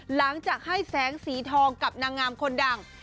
หลังจากให้แสงสีทองกับนางงามคนดัง